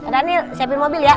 daniel siapin mobil ya